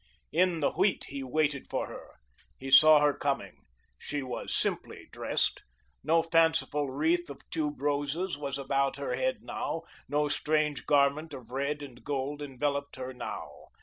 In the wheat he waited for her. He saw her coming. She was simply dressed. No fanciful wreath of tube roses was about her head now, no strange garment of red and gold enveloped her now.